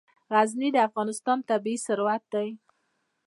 غزني د افغانستان طبعي ثروت دی.